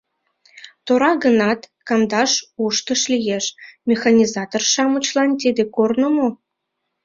Тора гынат — кандаш уштыш лиеш — механизатор-шамычлан тиде корно мо?